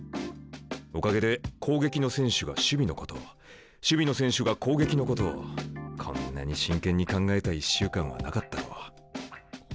おかげで攻撃の選手が守備のことを守備の選手が攻撃のことをこんなに真剣に考えた１週間はなかったろう。